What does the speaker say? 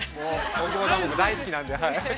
◆大久保さん、僕、大好きなんで。